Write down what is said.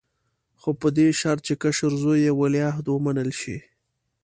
خو په دې شرط چې کشر زوی یې ولیعهد ومنل شي.